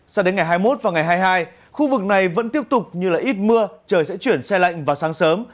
sao đến ngày hai mươi một và ngày hai mươi hai khu vực này vẫn tiếp tục như là ít mưa trời sẽ chuyển xe lạnh vào sáng sớm